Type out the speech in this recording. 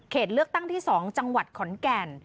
เลือกตั้งที่๒จังหวัดขอนแก่น